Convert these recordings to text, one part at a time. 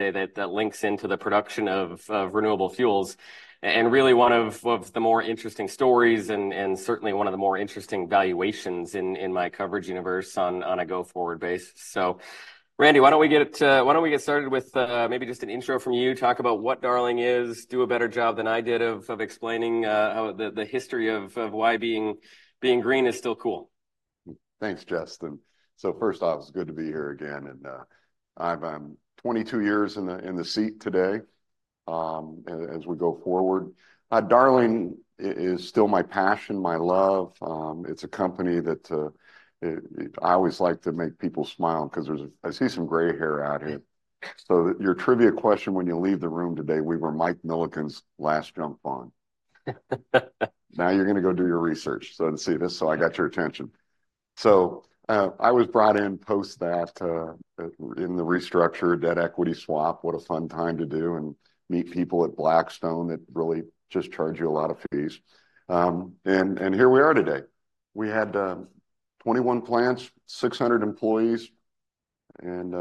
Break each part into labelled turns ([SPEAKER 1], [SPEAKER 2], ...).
[SPEAKER 1] That links into the production of renewable fuels, and really one of the more interesting stories and certainly one of the more interesting valuations in my coverage universe on a go-forward basis. So, Randy, why don't we get started with maybe just an intro from you, talk about what Darling is, do a better job than I did of explaining how the history of why being green is still cool.
[SPEAKER 2] Thanks, Justin. So first off, it's good to be here again, and I'm 22 years in the seat today as we go forward. Darling is still my passion, my love. It's a company that I always like to make people smile because I see some gray hair out here. So your trivia question when you leave the room today, "Where were Michael Milken's last junk bond?" Now you're going to go do your research so to see this, so I got your attention. So I was brought in post that in the restructured debt equity swap. What a fun time to do and meet people at Blackstone that really just charge you a lot of fees. And here we are today. We had 21 plants, 600 employees, and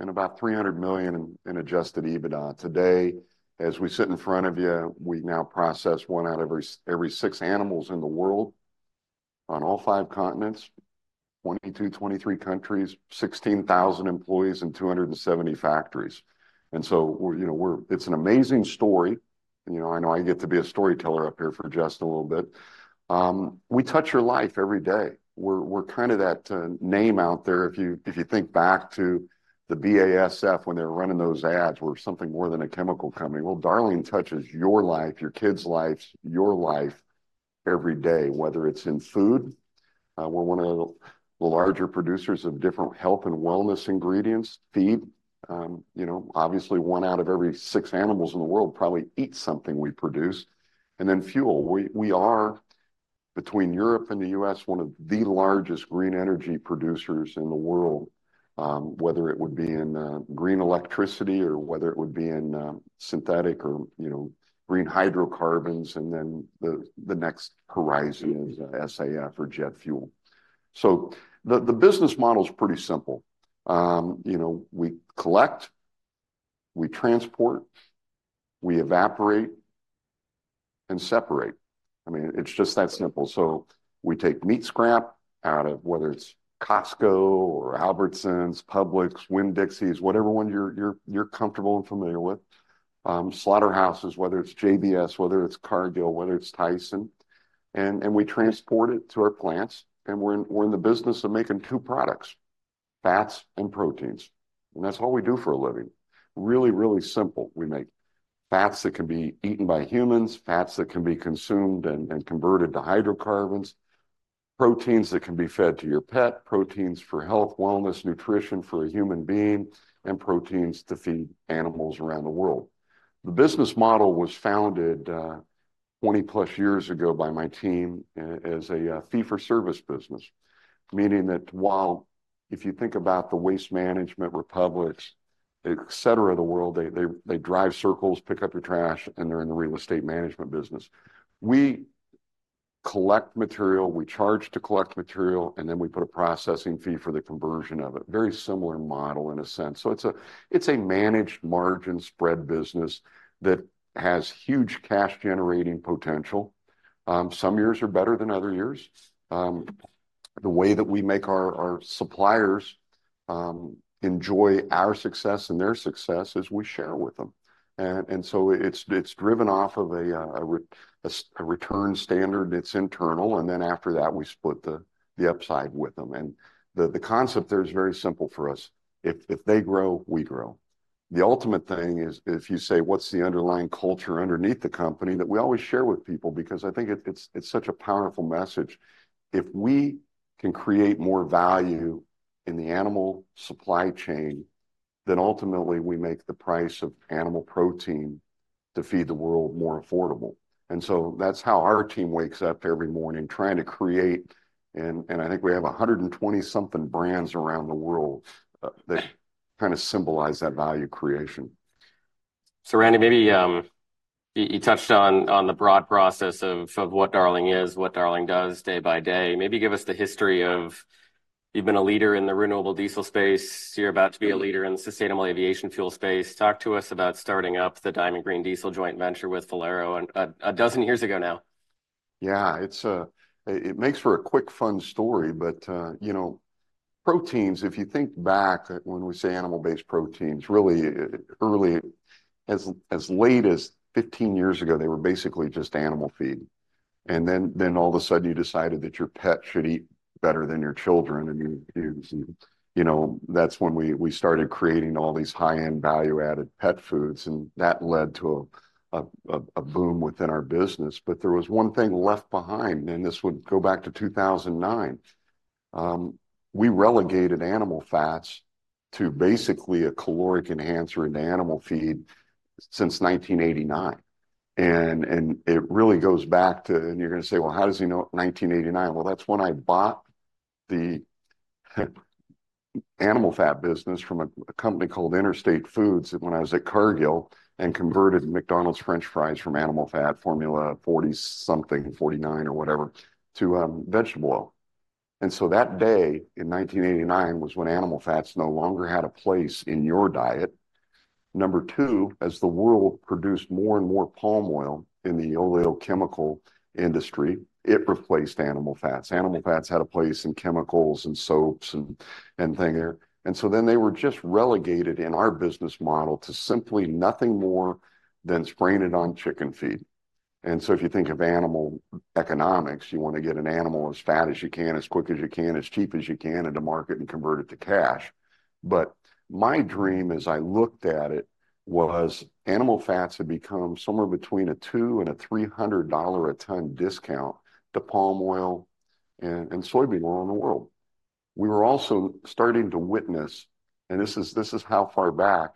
[SPEAKER 2] about $300 million in Adjusted EBITDA. Today, as we sit in front of you, we now process one out of every six animals in the world on all five continents, 22, 23 countries, 16,000 employees, and 270 factories. And so we're, you know, we're—it's an amazing story. You know, I know I get to be a storyteller up here for Justin a little bit. We touch your life every day. We're kind of that name out there. If you think back to the BASF when they were running those ads where something more than a chemical company—well, Darling touches your life, your kids' lives, your life every day, whether it's in food. We're one of the larger producers of different health and wellness ingredients, feed. You know, obviously, one out of every six animals in the world probably eats something we produce. And then fuel. We are, between Europe and the U.S., one of the largest green energy producers in the world, whether it would be in green electricity or whether it would be in synthetic or, you know, green hydrocarbons. And then the next horizon is SAF or jet fuel. So the business model is pretty simple. You know, we collect, we transport, we evaporate, and separate. I mean, it's just that simple. So we take meat scrap out of whether it's Costco or Albertsons, Publix, Winn-Dixie's, whatever one you're comfortable and familiar with, slaughterhouses, whether it's JBS, whether it's Cargill, whether it's Tyson. And we transport it to our plants, and we're in the business of making two products: fats and proteins. And that's all we do for a living. Really, really simple. We make fats that can be eaten by humans, fats that can be consumed and converted to hydrocarbons, proteins that can be fed to your pet, proteins for health, wellness, nutrition for a human being, and proteins to feed animals around the world. The business model was founded 20+ years ago by my team as a fee-for-service business, meaning that while if you think about the waste management, Republic Services, etc. of the world, they drive circles, pick up your trash, and they're in the real estate management business. We collect material, we charge to collect material, and then we put a processing fee for the conversion of it. Very similar model in a sense. So it's a managed margin spread business that has huge cash-generating potential. Some years are better than other years. The way that we make our suppliers enjoy our success and their success is we share with them. And so it's driven off of a return standard that's internal, and then after that, we split the upside with them. And the concept there is very simple for us. If they grow, we grow. The ultimate thing is if you say, "What's the underlying culture underneath the company?" that we always share with people because I think it's such a powerful message. If we can create more value in the animal supply chain, then ultimately we make the price of animal protein to feed the world more affordable. And so that's how our team wakes up every morning trying to create and I think we have 120-something brands around the world that kind of symbolize that value creation.
[SPEAKER 1] So, Randy, maybe you touched on the broad process of what Darling is, what Darling does day by day. Maybe give us the history of you've been a leader in the renewable diesel space. You're about to be a leader in the sustainable aviation fuel space. Talk to us about starting up the Diamond Green Diesel joint venture with Valero a dozen years ago now.
[SPEAKER 2] Yeah, it makes for a quick, fun story. But, you know, proteins, if you think back when we say animal-based proteins, really early as late as 15 years ago, they were basically just animal feed. And then all of a sudden you decided that your pet should eat better than your children, and you know, that's when we started creating all these high-end value-added pet foods, and that led to a boom within our business. But there was one thing left behind, and this would go back to 2009. We relegated animal fats to basically a caloric enhancer into animal feed since 1989. It really goes back to and you're going to say, "Well, how does he know 1989?" Well, that's when I bought the animal fat business from a company called Interstate Foods when I was at Cargill and converted McDonald's French fries from animal fat formula 40-something, 49 or whatever, to vegetable oil. And so that day in 1989 was when animal fats no longer had a place in your diet. Number two, as the world produced more and more palm oil in the oleochemical industry, it replaced animal fats. Animal fats had a place in chemicals and soaps and things there. And so then they were just relegated in our business model to simply nothing more than spraying it on chicken feed. And so if you think of animal economics, you want to get an animal as fat as you can, as quick as you can, as cheap as you can into market and convert it to cash. But my dream, as I looked at it, was animal fats had become somewhere between a $200-$300 a ton discount to palm oil and soybean oil in the world. We were also starting to witness and this is how far back.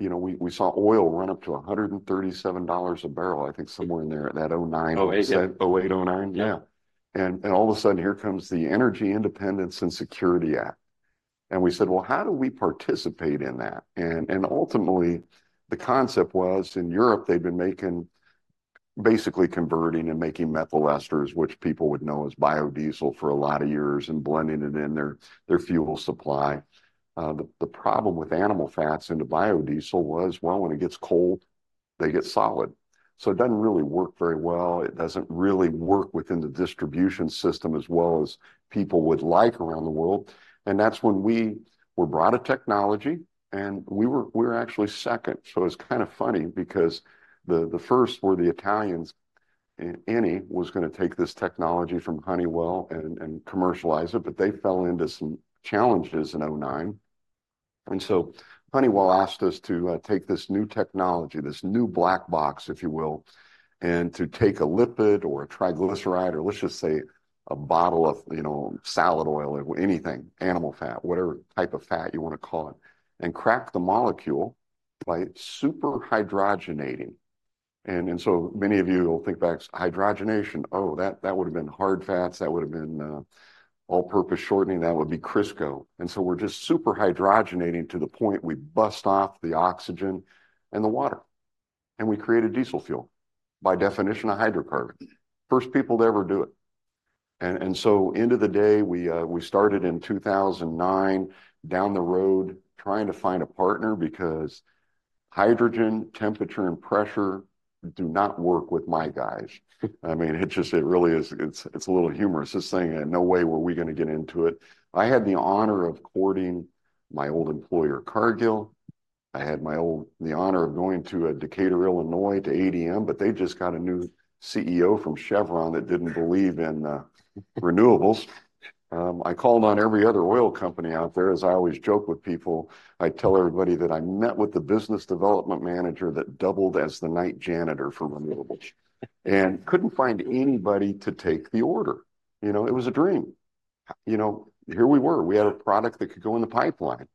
[SPEAKER 2] You know, we saw oil run up to $137 a barrel, I think somewhere in there at that 2009.
[SPEAKER 1] 2008.
[SPEAKER 2] 2008, 2009. Yeah. And all of a sudden, here comes the Energy Independence and Security Act. And we said, "Well, how do we participate in that?" And ultimately, the concept was in Europe, they'd been making basically converting and making methyl esters, which people would know as biodiesel, for a lot of years and blending it in their fuel supply. The problem with animal fats into biodiesel was, well, when it gets cold, they get solid. So it doesn't really work very well. It doesn't really work within the distribution system as well as people would like around the world. And that's when we were brought a technology, and we were actually second. So it's kind of funny because the first were the Italians. Eni was going to take this technology from Honeywell and commercialize it, but they fell into some challenges in 2009. And so Honeywell asked us to take this new technology, this new black box, if you will, and to take a lipid or a triglyceride or let's just say a bottle of, you know, salad oil or anything, animal fat, whatever type of fat you want to call it, and crack the molecule by superhydrogenating. And so many of you will think back to hydrogenation. Oh, that would have been hard fats. That would have been all-purpose shortening. That would be Crisco. And so we're just superhydrogenating to the point we bust off the oxygen and the water, and we create a diesel fuel, by definition, a hydrocarbon. First people to ever do it. So, end of the day, we started in 2009 down the road trying to find a partner because hydrogen, temperature, and pressure do not work with my guys. I mean, it just really is. It's a little humorous. It's saying, "No way were we going to get into it." I had the honor of courting my old employer, Cargill. I had the honor of going to Decatur, Illinois, to ADM, but they just got a new CEO from Chevron that didn't believe in renewables. I called on every other oil company out there. As I always joke with people, I tell everybody that I met with the business development manager that doubled as the night janitor for renewables and couldn't find anybody to take the order. You know, it was a dream. You know, here we were. We had a product that could go in the pipeline.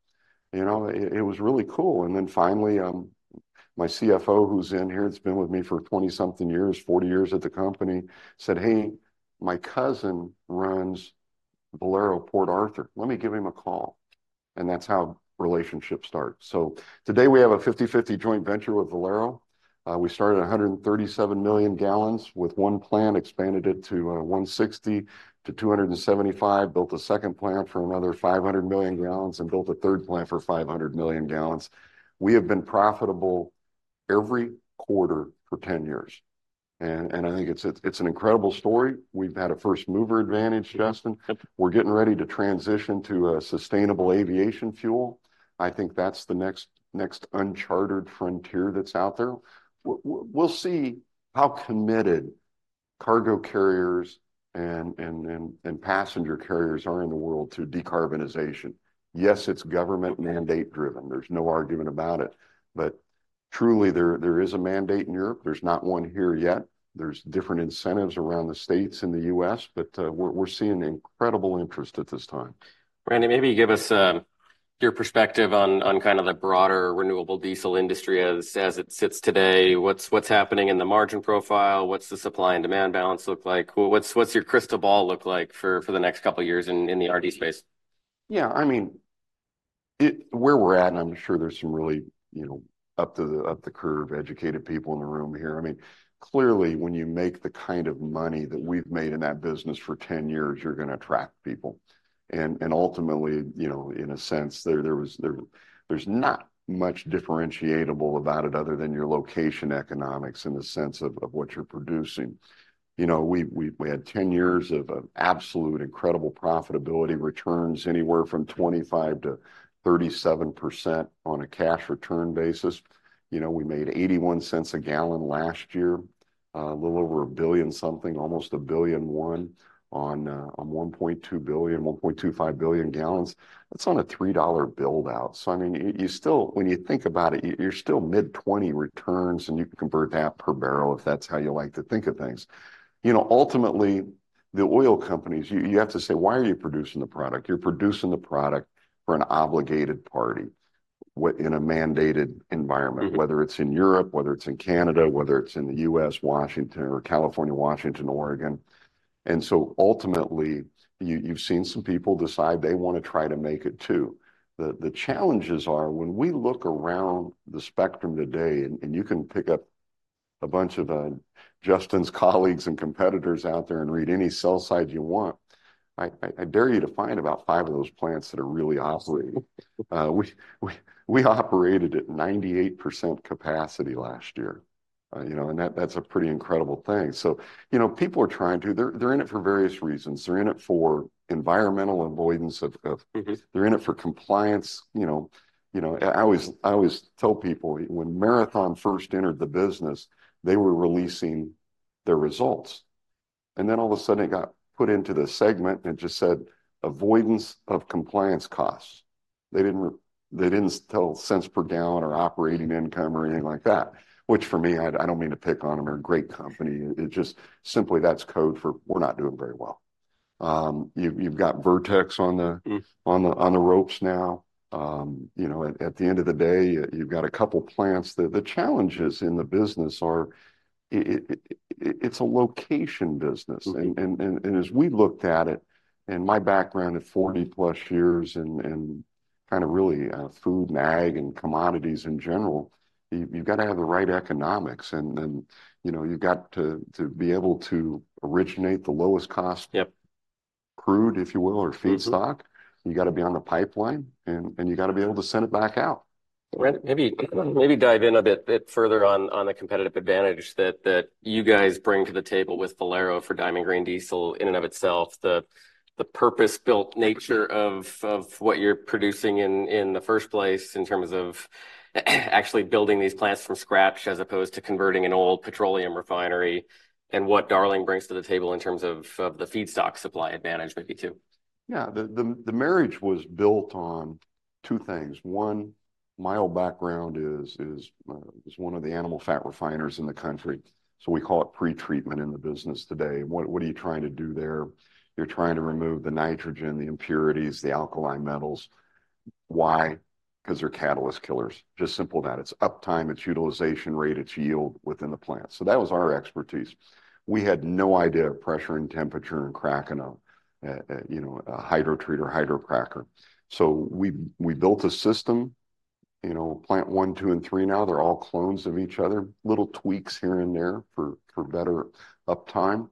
[SPEAKER 2] You know, it was really cool. And then finally, my CFO, who's in here that's been with me for 20-something years, 40 years at the company, said, "Hey, my cousin runs Valero Port Arthur. Let me give him a call." And that's how relationships start. So today we have a 50/50 joint venture with Valero. We started 137 million gal with one plant, expanded it to 160-275, built a second plant for another 500 million gal, and built a third plant for 500 million gal. We have been profitable every quarter for 10 years. And I think it's an incredible story. We've had a first mover advantage, Justin. We're getting ready to transition to a sustainable aviation fuel. I think that's the next uncharted frontier that's out there. We'll see how committed cargo carriers and passenger carriers are in the world to decarbonization. Yes, it's government mandate-driven. There's no argument about it. But truly, there is a mandate in Europe. There's not one here yet. There's different incentives around the states and the U.S., but we're seeing incredible interest at this time.
[SPEAKER 1] Randy, maybe give us your perspective on kind of the broader renewable diesel industry as it sits today. What's happening in the margin profile? What's the supply and demand balance look like? What's your crystal ball look like for the next couple of years in the RD space?
[SPEAKER 2] Yeah, I mean, it's where we're at, and I'm sure there's some really, you know, up-to-the-curve educated people in the room here. I mean, clearly, when you make the kind of money that we've made in that business for 10 years, you're going to attract people. And ultimately, you know, in a sense, there's not much differentiable about it other than your location economics in the sense of what you're producing. You know, we had 10 years of absolute incredible profitability returns anywhere from 25%-37% on a cash return basis. You know, we made $0.81 a gal last year, a little over a billion something, almost a billion one on 1.2 billion-1.25 billion gal. That's on a $3 buildout. So I mean, you still when you think about it, you're still mid-20 returns, and you can convert that per barrel if that's how you like to think of things. You know, ultimately, the oil companies, you have to say, "Why are you producing the product?" You're producing the product for an obligated party in a mandated environment, whether it's in Europe, whether it's in Canada, whether it's in the U.S., Washington, or California, Washington, Oregon. And so ultimately, you've seen some people decide they want to try to make it too. The challenges are when we look around the spectrum today, and you can pick up a bunch of Justin's colleagues and competitors out there and read any sell side you want, I dare you to find about five of those plants that are really operating. We operated at 98% capacity last year, you know, and that's a pretty incredible thing. So, you know, people are trying to, they're in it for various reasons. They're in it for environmental avoidance of, they're in it for compliance. You know, I always tell people when Marathon first entered the business, they were releasing their results. And then all of a sudden, it got put into the segment and it just said, "Avoidance of compliance costs." They didn't tell cents per gallon or operating income or anything like that, which for me, I don't mean to pick on them. They're a great company. It just simply that's code for, "We're not doing very well." You've got Vertex on the ropes now. You know, at the end of the day, you've got a couple of plants. The challenges in the business are it's a location business. And as we looked at it, and my background at 40+ years and kind of really food, ag, and commodities in general, you've got to have the right economics. And, you know, you've got to be able to originate the lowest cost.
[SPEAKER 1] Yep.
[SPEAKER 2] Crude, if you will, or feedstock. You got to be on the pipeline, and you got to be able to send it back out.
[SPEAKER 1] Randy, maybe dive in a bit further on the competitive advantage that you guys bring to the table with Valero for Diamond Green Diesel in and of itself, the purpose-built nature of what you're producing in the first place in terms of actually building these plants from scratch as opposed to converting an old petroleum refinery, and what Darling brings to the table in terms of the feedstock supply advantage maybe too.
[SPEAKER 2] Yeah, the marriage was built on two things. One, my old background is one of the animal fat refiners in the country, so we call it pretreatment in the business today. What are you trying to do there? You're trying to remove the nitrogen, the impurities, the alkali metals. Why? Because they're catalyst killers. Just simple that. It's uptime. It's utilization rate. It's yield within the plant. So that was our expertise. We had no idea of pressure and temperature and cracking a, you know, a hydrotreater or hydrocracker. So we built a system, you know, plant one, two, and three now. They're all clones of each other, little tweaks here and there for better uptime.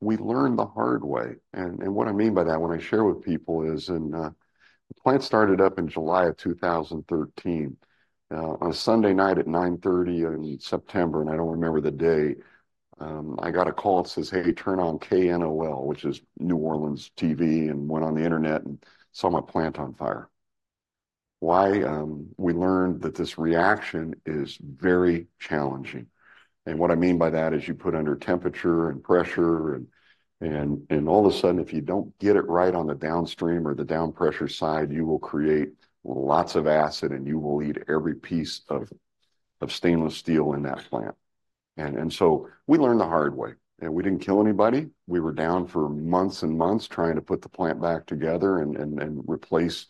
[SPEAKER 2] We learned the hard way. What I mean by that when I share with people is, the plant started up in July of 2013 on a Sunday night at 9:30 P.M. in September, and I don't remember the day. I got a call. It says, "Hey, turn on KNOL," which is New Orleans TV, and went on the internet and saw my plant on fire. Why? We learned that this reaction is very challenging. And what I mean by that is you put under temperature and pressure, and all of a sudden, if you don't get it right on the downstream or the downpressure side, you will create lots of acid, and you will eat every piece of stainless steel in that plant. And so we learned the hard way, and we didn't kill anybody. We were down for months and months trying to put the plant back together and replace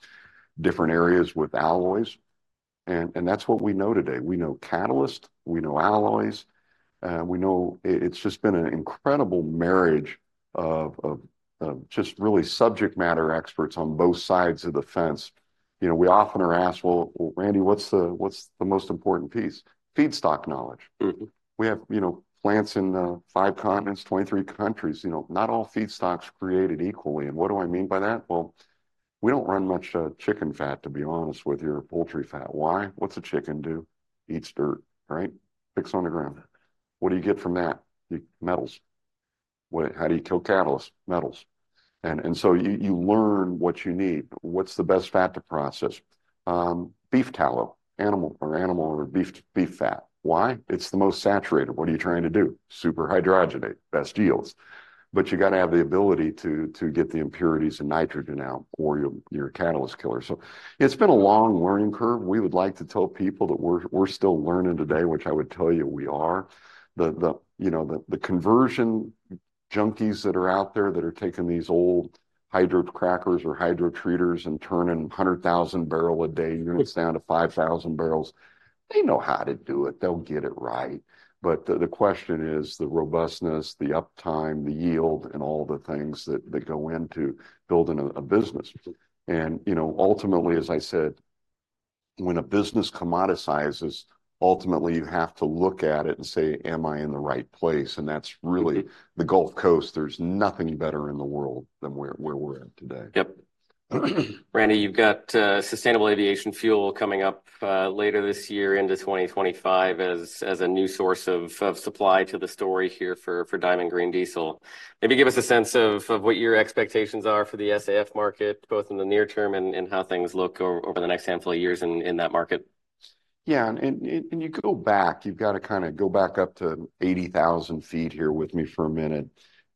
[SPEAKER 2] different areas with alloys. And that's what we know today. We know catalyst. We know alloys. We know it's just been an incredible marriage of just really subject matter experts on both sides of the fence. You know, we often are asked, "Well, Randy, what's the most important piece?" Feedstock knowledge. We have, you know, plants in five continents, 23 countries. You know, not all feedstocks created equally. And what do I mean by that? Well, we don't run much chicken fat, to be honest with you, or poultry fat. Why? What's a chicken do? Eats dirt, right? Picks on the ground. What do you get from that? Metals. What how do you kill catalysts? Metals. And so you learn what you need. What's the best fat to process? Beef tallow, animal or beef fat. Why? It's the most saturated. What are you trying to do? Superhydrogenate, best yields. But you got to have the ability to get the impurities and nitrogen out or your catalyst killer. So it's been a long learning curve. We would like to tell people that we're still learning today, which I would tell you we are. You know, the conversion junkies that are out there that are taking these old hydrocrackers or hydrotreaters and turning 100,000 barrel a day, you're going to stay on to 5,000 barrels. They know how to do it. They'll get it right. But the question is the robustness, the uptime, the yield, and all the things that go into building a business. You know, ultimately, as I said, when a business commoditizes, ultimately, you have to look at it and say, "Am I in the right place?" That's really the Gulf Coast. There's nothing better in the world than where we're at today.
[SPEAKER 1] Yep. Randy, you've got sustainable aviation fuel coming up later this year into 2025 as a new source of supply to the story here for Diamond Green Diesel. Maybe give us a sense of what your expectations are for the SAF market, both in the near term and how things look over the next handful of years in that market?
[SPEAKER 2] Yeah, and you go back, you've got to kind of go back up to 80,000 feet here with me for a minute,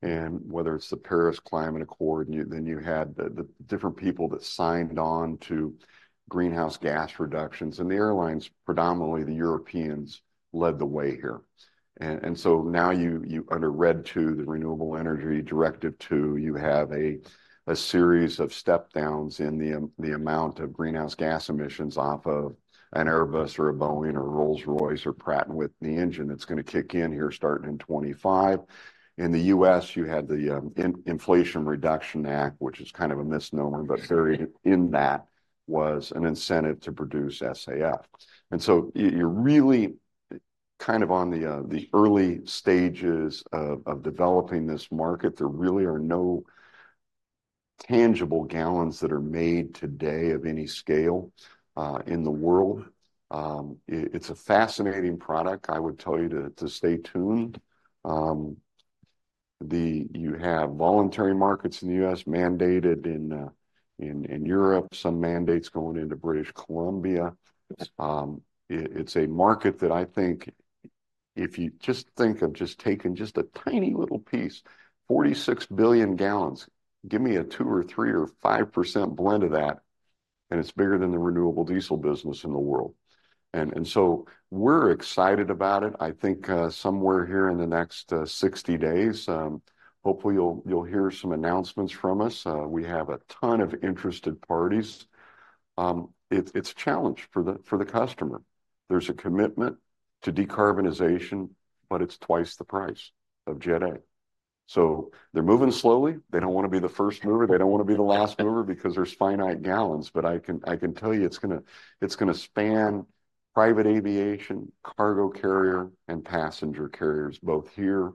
[SPEAKER 2] and whether it's the Paris Climate Accord, and you then had the different people that signed on to greenhouse gas reductions. The airlines, predominantly the Europeans, led the way here. So now you under RED II, the Renewable Energy Directive II, you have a series of stepdowns in the amount of greenhouse gas emissions off of an Airbus or a Boeing or a Rolls-Royce or Pratt & Whitney engine that's going to kick in here starting in 2025. In the U.S., you had the Inflation Reduction Act, which is kind of a misnomer, but buried in that was an incentive to produce SAF. And so you're really kind of on the early stages of developing this market. There really are no tangible gallons that are made today of any scale in the world. It's a fascinating product. I would tell you to stay tuned. You have voluntary markets in the U.S., mandated in Europe, some mandates going into British Columbia. It's a market that I think if you just think of just taking just a tiny little piece, 46 billion gal, give me a 2% or 3% or 5% blend of that, and it's bigger than the renewable diesel business in the world. And so we're excited about it. I think somewhere here in the next 60 days, hopefully, you'll hear some announcements from us. We have a ton of interested parties. It's a challenge for the customer. There's a commitment to decarbonization, but it's twice the price of Jet A. So they're moving slowly. They don't want to be the first mover. They don't want to be the last mover because there's finite gallons. But I can tell you it's going to span private aviation, cargo carrier, and passenger carriers, both here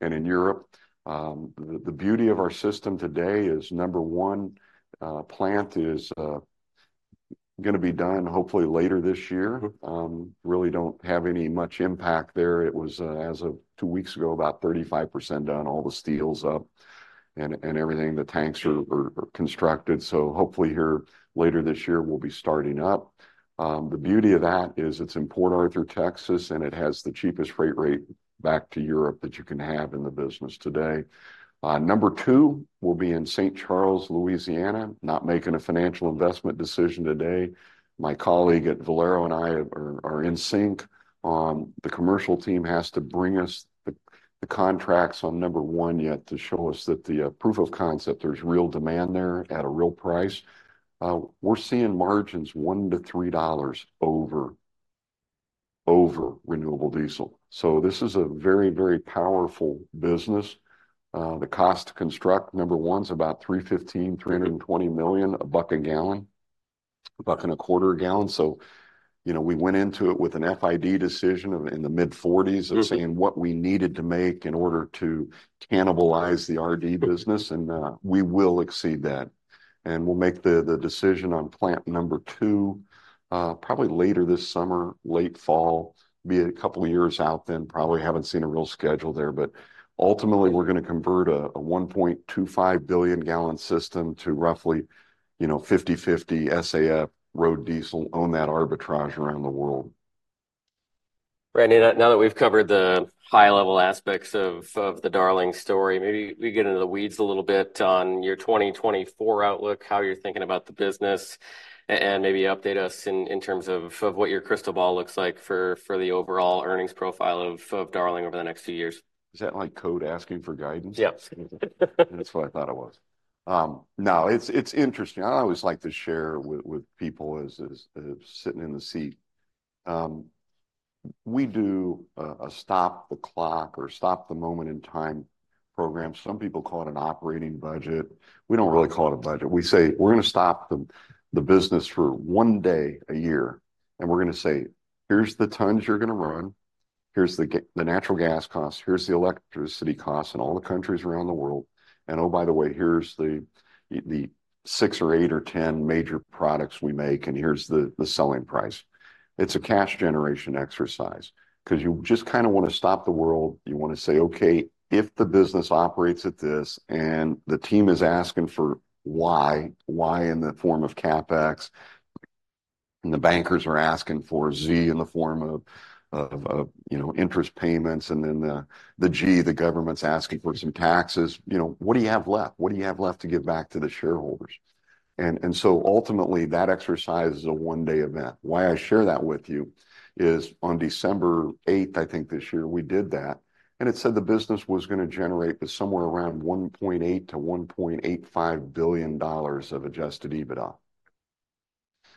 [SPEAKER 2] and in Europe. The beauty of our system today is, number one, plant is going to be done hopefully later this year. Really don't have any much impact there. It was, as of two weeks ago, about 35% done, all the steels up and everything. The tanks are constructed. So hopefully here later this year, we'll be starting up. The beauty of that is it's in Port Arthur, Texas, and it has the cheapest freight rate back to Europe that you can have in the business today. Number two, we'll be in St. Charles, Louisiana, not making a financial investment decision today. My colleague at Valero and I are in sync. The commercial team has to bring us the contracts on number one yet to show us that the proof of concept, there's real demand there at a real price. We're seeing margins $1-$3 over renewable diesel. So this is a very, very powerful business. The cost to construct, number one, is about $315-$320 million $1 a gal, $1.25 a gal. So, you know, we went into it with an FID decision in the mid-40s of saying what we needed to make in order to cannibalize the RD business, and we will exceed that. We'll make the decision on plant number two probably later this summer, late fall, be a couple of years out then. Probably haven't seen a real schedule there, but ultimately, we're going to convert a 1.25 billion gal system to roughly, you know, 50/50 SAF, road diesel, own that arbitrage around the world.
[SPEAKER 1] Randy, now that we've covered the high-level aspects of the Darling story, maybe we get into the weeds a little bit on your 2024 outlook, how you're thinking about the business, and maybe update us in terms of what your crystal ball looks like for the overall earnings profile of Darling over the next two years.
[SPEAKER 2] Is that like code asking for guidance?
[SPEAKER 1] Yep.
[SPEAKER 2] That's what I thought it was. No, it's interesting. I always like to share with people as sitting in the seat. We do a stop-the-clock or stop-the-moment-in-time program. Some people call it an operating budget. We don't really call it a budget. We say, "We're going to stop the business for one day a year, and we're going to say, 'Here's the tons you're going to run. Here's the natural gas costs. Here's the electricity costs in all the countries around the world. And oh, by the way, here's the six or eight or 10 major products we make, and here's the selling price.'" It's a cash generation exercise because you just kind of want to stop the world. You want to say, "Okay, if the business operates at this and the team is asking for Y, Y in the form of CapEx, and the bankers are asking for Z in the form of of of, you know, interest payments, and then the the G, the government's asking for some taxes, you know, what do you have left? What do you have left to give back to the shareholders?" And and so ultimately, that exercise is a one-day event. Why I share that with you is on December 8th, I think this year, we did that, and it said the business was going to generate somewhere around $1.8-$1.85 billion of Adjusted EBITDA.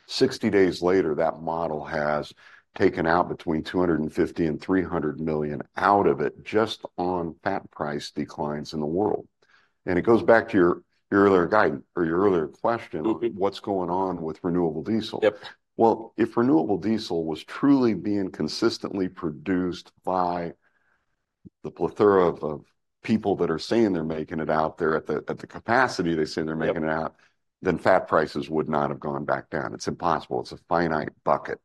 [SPEAKER 2] 60 days later, that model has taken out between $250-$300 million out of it just on fat price declines in the world. It goes back to your earlier guidance or your earlier question on what's going on with renewable diesel.
[SPEAKER 1] Yep.
[SPEAKER 2] Well, if renewable diesel was truly being consistently produced by the plethora of people that are saying they're making it out there at the capacity they say they're making it out, then fat prices would not have gone back down. It's impossible. It's a finite bucket.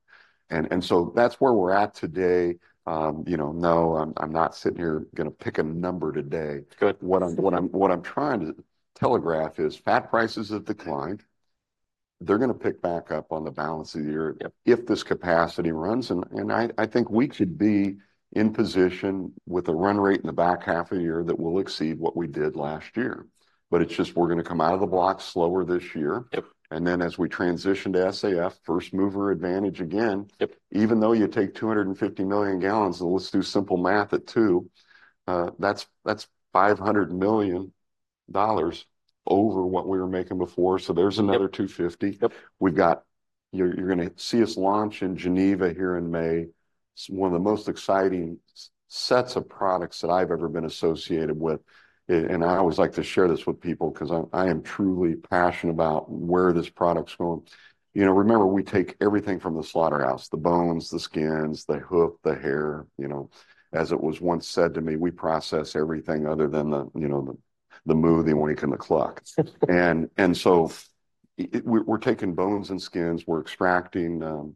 [SPEAKER 2] And so that's where we're at today. You know, no, I'm not sitting here going to pick a number today.
[SPEAKER 1] Good.
[SPEAKER 2] What I'm trying to telegraph is fat prices have declined. They're going to pick back up on the balance of the year if this capacity runs. And I think we should be in position with a run rate in the back half of the year that will exceed what we did last year. But it's just we're going to come out of the block slower this year.
[SPEAKER 1] Yep.
[SPEAKER 2] And then as we transition to SAF, first mover advantage again, even though you take 250 million gal, let's do simple math at 2. That's $500 million over what we were making before. So there's another $250. You're going to see us launch in Geneva here in May. It's one of the most exciting sets of products that I've ever been associated with. And I always like to share this with people because I am truly passionate about where this product's going. You know, remember, we take everything from the slaughterhouse: the bones, the skins, the hoof, the hair. You know, as it was once said to me, we process everything other than the, you know, the moo, the oink, and the cluck. And so we're taking bones and skins. We're extracting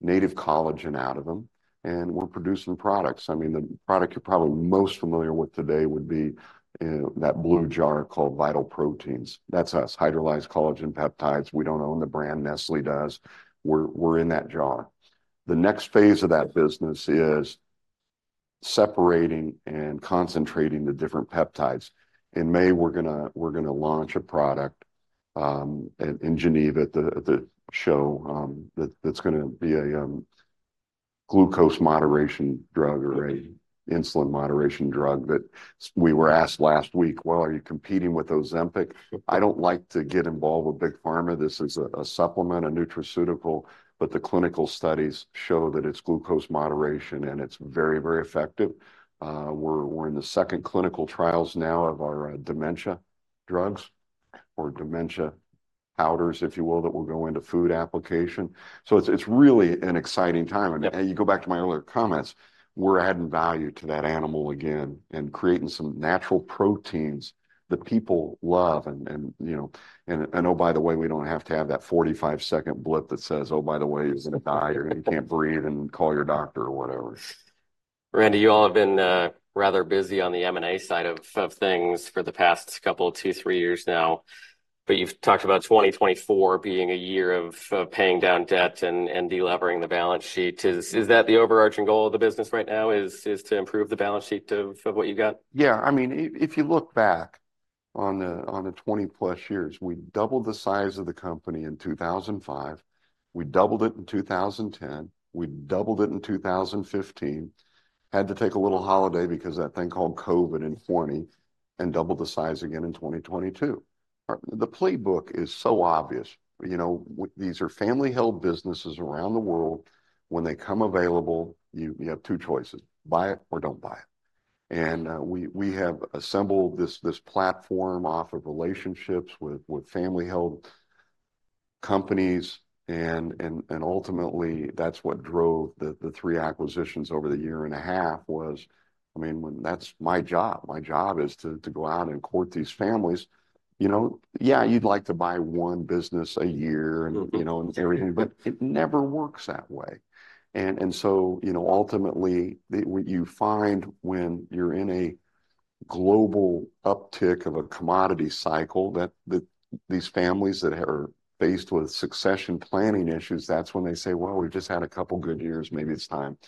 [SPEAKER 2] native collagen out of them, and we're producing products. I mean, the product you're probably most familiar with today would be that blue jar called Vital Proteins. That's us, hydrolyzed collagen peptides. We don't own the brand. Nestlé does. We're in that jar. The next phase of that business is separating and concentrating the different peptides. In May, we're going to launch a product in Geneva at the show that's going to be a glucose moderation drug or an insulin moderation drug that we were asked last week, "Well, are you competing with Ozempic?" I don't like to get involved with Big Pharma. This is a supplement, a nutraceutical, but the clinical studies show that it's glucose moderation, and it's very, very effective. We're in the second clinical trials now of our dementia drugs or dementia powders, if you will, that will go into food application. So it's really an exciting time. And you go back to my earlier comments, we're adding value to that animal again and creating some natural proteins that people love. And you know, oh, by the way, we don't have to have that 45-second blip that says, "Oh, by the way, you're going to die," or, "You can't breathe," and call your doctor or whatever.
[SPEAKER 1] Randy, you all have been rather busy on the M&A side of things for the past couple, two, three years now, but you've talked about 2024 being a year of paying down debt and delevering the balance sheet. Is that the overarching goal of the business right now, is to improve the balance sheet of what you've got?
[SPEAKER 2] Yeah, I mean, if you look back on the 20+ years, we doubled the size of the company in 2005. We doubled it in 2010. We doubled it in 2015. Had to take a little holiday because of that thing called COVID in 2020 and doubled the size again in 2022. The playbook is so obvious. You know, these are family-held businesses around the world. When they come available, you have two choices: buy it or don't buy it. And we have assembled this platform off of relationships with family-held companies. And ultimately, that's what drove the three acquisitions over the year and a half was, I mean, when that's my job. My job is to go out and court these families. You know, yeah, you'd like to buy one business a year and, you know, and everything, but it never works that way. And so, you know, ultimately, you find when you're in a global uptick of a commodity cycle that these families that are faced with succession planning issues, that's when they say, "Well, we've just had a couple good years. Maybe it's time."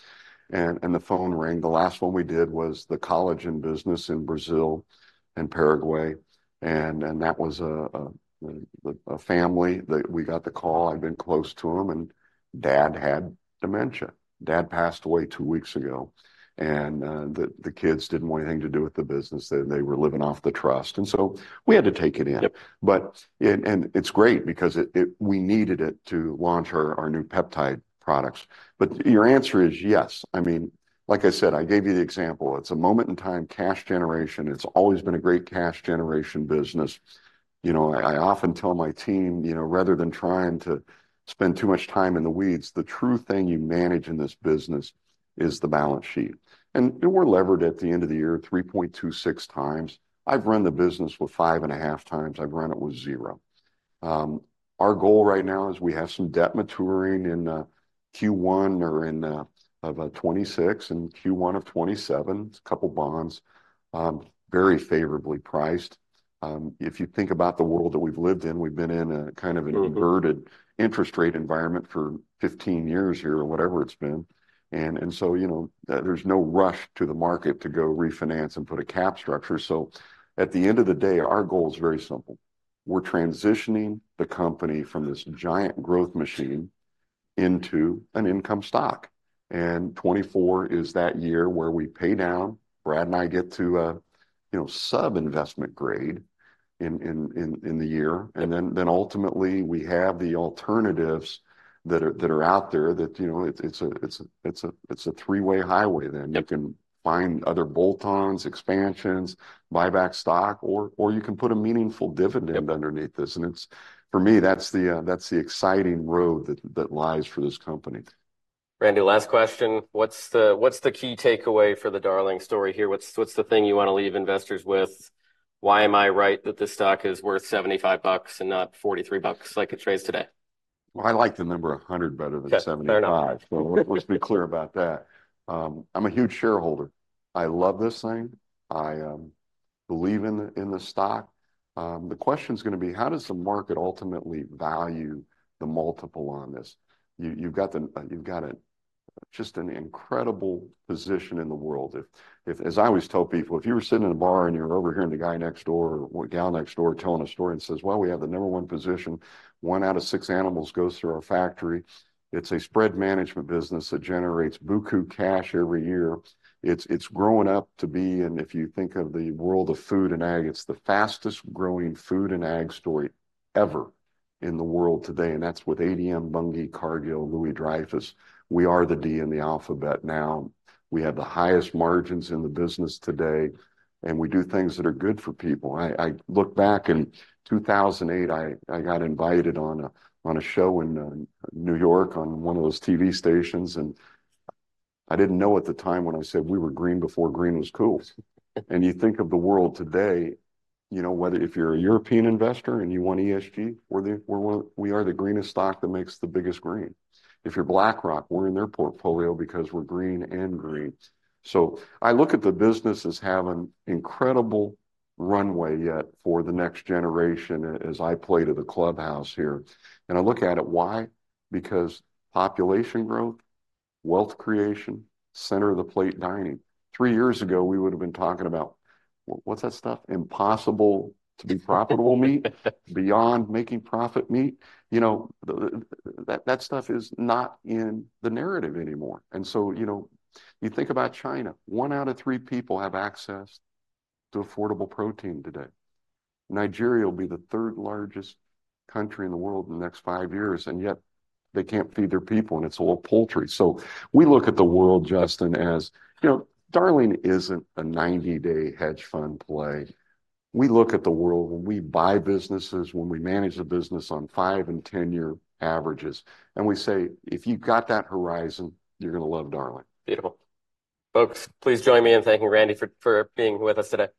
[SPEAKER 2] And the phone rang. The last one we did was the collagen business in Brazil and Paraguay. And that was a family that we got the call. I'd been close to them, and Dad had dementia. Dad passed away two weeks ago, and the kids didn't want anything to do with the business. They were living off the trust. And so we had to take it in.
[SPEAKER 1] Yep.
[SPEAKER 2] It's great because we needed it to launch our new peptide products. But your answer is yes. I mean, like I said, I gave you the example. It's a moment in time cash generation. It's always been a great cash generation business. You know, I often tell my team, you know, rather than trying to spend too much time in the weeds, the true thing you manage in this business is the balance sheet. And we're levered at the end of the year 3.26x. I've run the business with 5.5x. I've run it with zero. Our goal right now is we have some debt maturing in Q1 of 2026 and Q1 of 2027. It's a couple bonds, very favorably priced. If you think about the world that we've lived in, we've been in a kind of an inverted interest rate environment for 15 years here or whatever it's been. And so, you know, there's no rush to the market to go refinance and put a cap structure. So at the end of the day, our goal is very simple. We're transitioning the company from this giant growth machine into an income stock. And 2024 is that year where we pay down. Brad and I get to, you know, sub-investment grade in the year. And then ultimately, we have the alternatives that are out there that, you know, it's a three-way highway then. You can find other bolt-ons, expansions, buyback stock, or you can put a meaningful dividend underneath this. And it's for me, that's the exciting road that lies for this company.
[SPEAKER 1] Randy, last question. What's the key takeaway for the Darling story here? What's the thing you want to leave investors with? Why am I right that this stock is worth $75 and not $43 like it trades today?
[SPEAKER 2] Well, I like the number 100 better than 75. So let's let's be clear about that. I'm a huge shareholder. I love this thing. I believe in the in the stock. The question's going to be, how does the market ultimately value the multiple on this? You've got the you've got a just an incredible position in the world. If if as I always tell people, if you were sitting in a bar and you're overhearing the guy next door or gal next door telling a story and says, "Well, we have the number one position. One out of six animals goes through our factory." It's a spread management business that generates beaucoup cash every year. It's it's growing up to be, and if you think of the world of food and ag, it's the fastest-growing food and ag story ever in the world today. And that's with ADM, Bunge, Cargill, Louis Dreyfus. We are the D in the alphabet now. We have the highest margins in the business today, and we do things that are good for people. I look back in 2008. I got invited on a show in New York on one of those TV stations, and I didn't know at the time when I said we were green before green was cool. And you think of the world today, you know, whether if you're a European investor and you want ESG, we are the greenest stock that makes the biggest green. If you're BlackRock, we're in their portfolio because we're green and green. So I look at the business as having incredible runway yet for the next generation as I play to the clubhouse here. And I look at it. Why? Because population growth, wealth creation, center-of-the-plate dining. Three years ago, we would have been talking about what's that stuff? Impossible to be profitable meat Beyond making profit meat? You know, that that stuff is not in the narrative anymore. And so, you know, you think about China. One out of three people have access to affordable protein today. Nigeria will be the third-largest country in the world in the next five years, and yet they can't feed their people, and it's all poultry. So we look at the world, Justin, as you know, Darling isn't a 90-day hedge fund play. We look at the world when we buy businesses, when we manage the business on five- and 10-year averages, and we say, "If you've got that horizon, you're going to love Darling.
[SPEAKER 1] Beautiful. Folks, please join me in thanking Randy for being with us today.